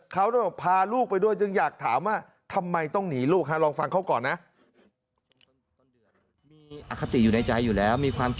เขาพาลูกไปด้วยจึงอยากถามว่าทำไมต้องหนีลูก